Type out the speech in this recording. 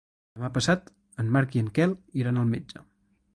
Demà passat en Marc i en Quel iran al metge.